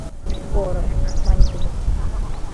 — Поро, — мане тудо.